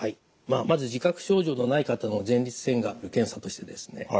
まず自覚症状のない方の前立腺がんの検査としてですね